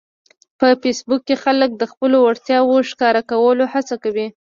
په فېسبوک کې خلک د خپلو وړتیاوو ښکاره کولو هڅه کوي